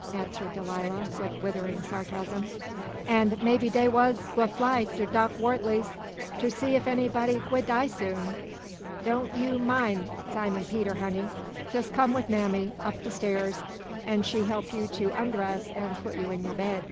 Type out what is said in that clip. answered Delilah, with withering sarcasm; "an' maybe dey wuz gwi' fly ter Doc Wortley's ter see ef anybody gwi' die soon. Doan' you min' Simon Peter, honey; jes' come wid mammy up sty'ars an' she holp you to ondress an' put you in yo' bed."